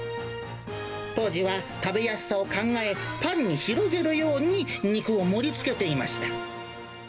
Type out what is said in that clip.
当時は食べやすさを考え、パンに広げるように肉を盛りつけていました。